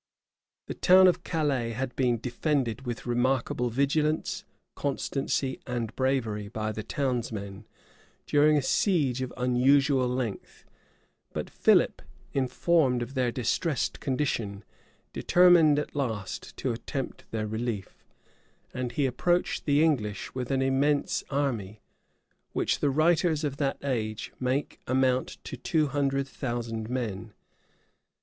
[Illustration: 1_223_calais.jpg CALAIS] {1347.} The town of Calais had been defended with remarkable vigilance, constancy, and bravery by the townsmen, during a siege of unusual length: but Philip, informed of their distressed condition, determined at last to attempt their relief; and he approached the English with an immense army, which the writers of that age make amount to two hundred thousand men.